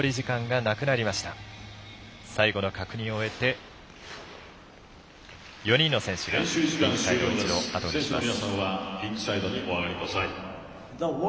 最後の確認を終えて４人の選手がリンクをあとにします。